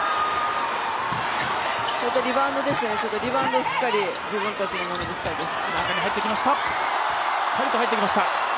リバウンドですね、リバウンドをしっかり自分たちのものにしたいです。